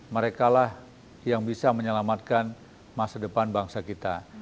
merekalah yang bisa menyelamatkan masa depan bangsa kita